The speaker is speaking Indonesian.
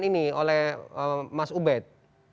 ini oleh mas ubed